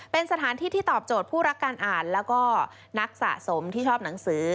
เป็นสถานที่ที่ตอบโจทย์ผู้รักการอ่านแล้วก็นักสะสมที่ชอบหนังสือ